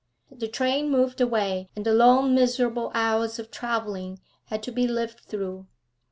The train moved away; and the long, miserable hours of travelling had to be lived through.